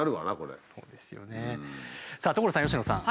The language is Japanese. さあ所さん佳乃さん。